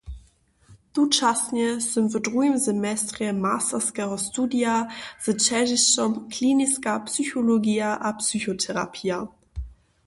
Tučasnje sym w druhim semestrje masterskeho studija z ćežišćom kliniska psychologija a psychoterapija.